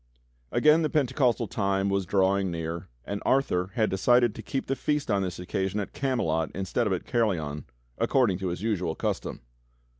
the Pentecostal time was drawing near, and Arthur /"X had decided to keep the Feast on this occasion at Camelot ^ instead of at Caerleon, according to his usual custom.